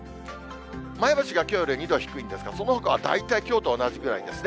前橋がきょうより２度低いんですが、そのほかは大体きょうと同じくらいですね。